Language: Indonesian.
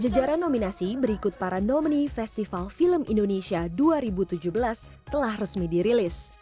jejaran nominasi berikut para nomini festival film indonesia dua ribu tujuh belas telah resmi dirilis